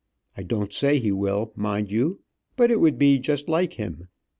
I don't say he will, mind you, but it would be just like him.